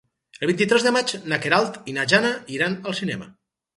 El vint-i-tres de maig na Queralt i na Jana iran al cinema.